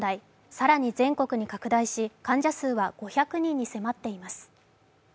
更に全国に拡大し、患者数は５００人に迫っています。